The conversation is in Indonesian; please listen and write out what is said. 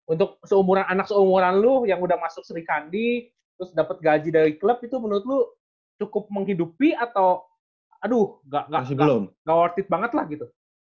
untuk seumuran anak seumuran lo yang udah masuk serikandi terus dapat gaji dari klub itu menurut lu cukup menghidupi atau aduh nggak worth it banget lah gitu